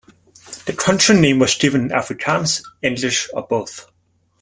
The country name was given in Afrikaans, English or both.